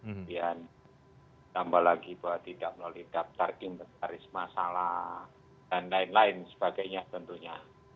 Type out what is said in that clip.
kemudian tambah lagi bahwa tidak melalui daftar inventaris masalah dan lain lain sebagainya tentunya